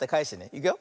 いくよ。